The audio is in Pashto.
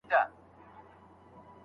له مفاهمې پرته ژوند پرمخ نه ځي.